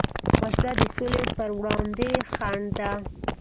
وسله د سولې پروړاندې خنډ ده